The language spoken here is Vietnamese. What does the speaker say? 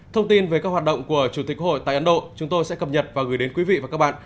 thông tin về các hoạt động của chủ tịch hội tại ấn độ chúng tôi sẽ cập nhật và gửi đến quý vị và các bạn